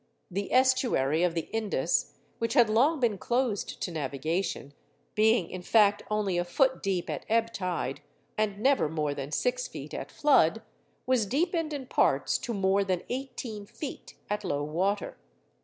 The estuary of the Indus, which had long been closed to navigation—being, in fact, only a foot deep at ebb tide, and never more than six feet at flood—was deepened in parts to more than eighteen feet at low water.